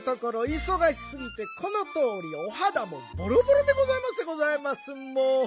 いそがしすぎてこのとおりおはだもボロボロでございますでございます。